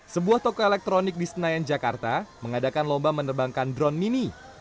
sebuah toko elektronik di senayan jakarta mengadakan lomba menerbangkan drone mini